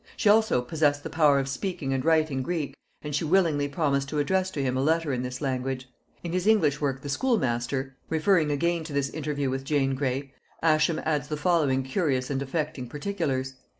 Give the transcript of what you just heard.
She also possessed the power of speaking and writing Greek, and she willingly promised to address to him a letter in this language. In his English work 'The Schoolmaster,' referring again to this interview with Jane Grey, Ascham adds the following curious and affecting particulars.